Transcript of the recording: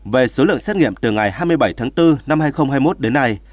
về số lượng xét nghiệm từ ngày hai mươi bảy tháng bốn năm hai nghìn hai mươi một đến nay